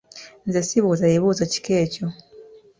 Nze sibuuza bibuuzo kika ekyo.